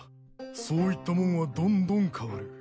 そういったもんはどんどん変わる。